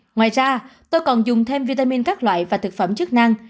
ngoài ra tôi còn dùng thêm vitamin các loại và thực phẩm chức năng